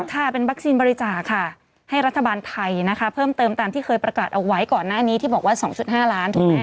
ค่ะเป็นวัคซีนบริจาคค่ะให้รัฐบาลไทยนะคะเพิ่มเติมตามที่เคยประกาศเอาไว้ก่อนหน้านี้ที่บอกว่า๒๕ล้านถูกไหม